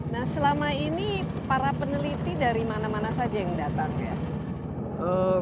nah selama ini para peneliti dari mana mana saja yang datang ya